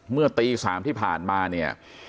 เมื่อตี๓ที่ผ่านมาเนี่ย